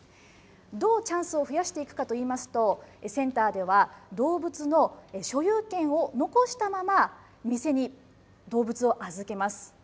どうチャンスを増やしていくかといいますと、センターでは動物の所有権を残したまま、店に動物を預けます。